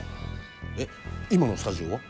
えっ今のスタジオは？